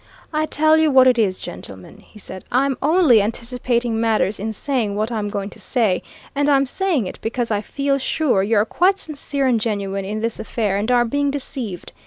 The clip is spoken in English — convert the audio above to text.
"I tell you what it is, gentlemen!" he said. "I'm only anticipating matters in saying what I'm going to say, and I'm saying it because I feel sure you are quite sincere and genuine in this affair and are being deceived.